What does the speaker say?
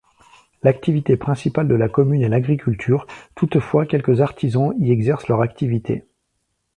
L’activité principale de la commune est l’agriculture, toutefois quelques artisans y exercent leur activité.